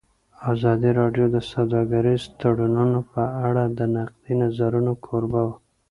ازادي راډیو د سوداګریز تړونونه په اړه د نقدي نظرونو کوربه وه.